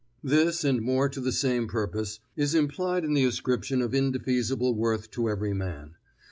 This, and more to the same purpose, is implied in the ascription of indefeasible worth to every man.